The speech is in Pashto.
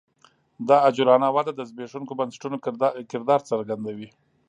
دا عجولانه وده د زبېښونکو بنسټونو کردار څرګندوي